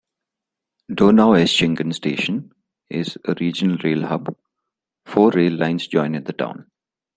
Donaueschingen station is a regional rail hub; four rail lines join in the town.